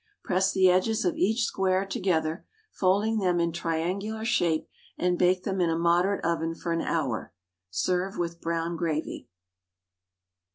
Press the edges of each square together, folding them in triangular shape, and bake them in a moderate oven for an hour. Serve with brown gravy.